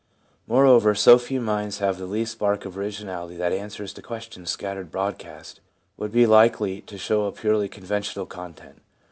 Moreover, so few minds have the least spark of originality that answers to questions scattered broadcast would be likely to show a purely conventional content.